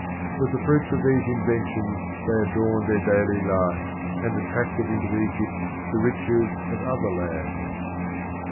With the fruits of these inventions they adorned their daily life, and attracted into Egypt the riches of other lands.